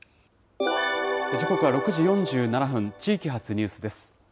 時刻は６時４７分、地域発ニュースです。